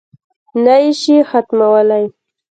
نه یې شي ختمولای.